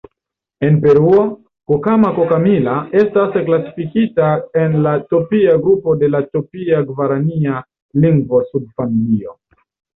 En Peruo, "Cocama-Cocamilla" estas klasifikita en la Tupia grupo de la Tupia-Gvarania lingvo-subfamilio.